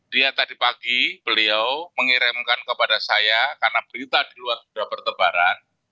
dia tadi pagi beliau mengirimkan kepada saya karena berita di luar sudah bertebaran